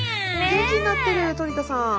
元気になってるトリ田さん。